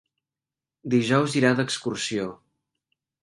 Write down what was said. Dijous irà d'excursió.